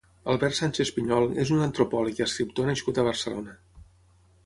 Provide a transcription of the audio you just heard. Albert Sánchez Piñol és un antropòleg i escriptor nascut a Barcelona.